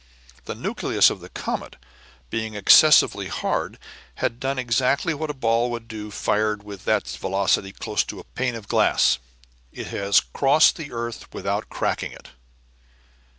The nucleus of the comet, being excessively hard, has done exactly what a ball would do fired with that velocity close to a pane of glass. It has crossed the earth without cracking it."